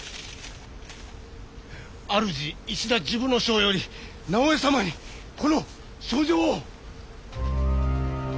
主石田治部少輔より直江様にこの書状を。